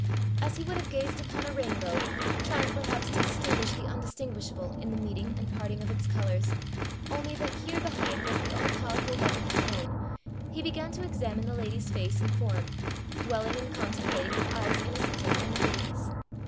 As he would have gazed upon a rainbow, trying perhaps to distinguish the undistinguishable in the meeting and parting of its colours, only that here behind was the all powerful love of his own, he began to examine the lady's face and form, dwelling and contemplating with eyes innocent as any baby's.